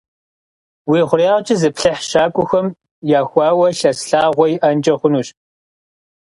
Уи хъуреягъкӏэ зыплъыхь, щакӏуэхэм яхуауэ лъэс лъагъуэ иӏэнкӏэ хъунущ.